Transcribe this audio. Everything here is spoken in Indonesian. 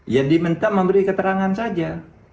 ya diminta memberi keterangan saja